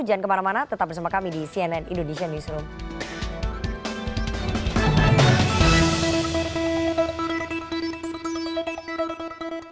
jangan kemana mana tetap bersama kami di cnn indonesian newsroom